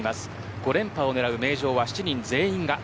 ５連覇を狙う名城は７人全員が赤。